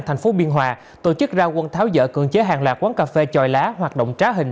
thành phố biên hòa tổ chức ra quân tháo dỡ cưỡng chế hàng loạt quán cà phê chòi lá hoạt động trá hình